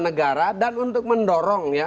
negara dan untuk mendorong